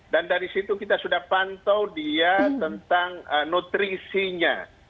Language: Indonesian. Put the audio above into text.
dan dari situ kita sudah pantau dia tentang nutrisinya